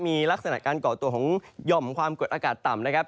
มีลักษณะการก่อตัวของหย่อมความกดอากาศต่ำนะครับ